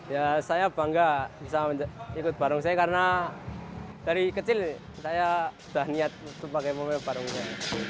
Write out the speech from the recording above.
ya saya bangga bisa ikut barongsai karena dari kecil saya sudah niat sebagai pemilik barongsai